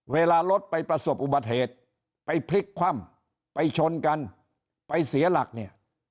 เวลารถไปประสบอุบัติเหตุไปพลิกคว่ำไปชนกันไปเสียหลักเนี่ย